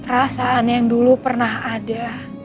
perasaan yang dulu pernah ada